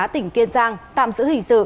tạm giữ hình sự